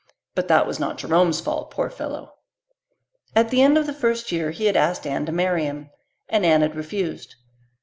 But that was not Jerome's fault, poor fellow! At the end of the first year he had asked Anne to marry him, and Anne had refused.